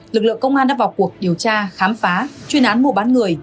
lực lượng công an đã vào cuộc điều tra khám phá chuyên án mua bán người